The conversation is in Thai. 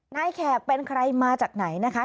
แขกเป็นใครมาจากไหนนะคะ